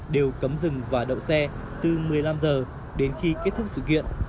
đều cấm dừng và đậu xe từ một mươi năm h đến khi kết thúc sự kiện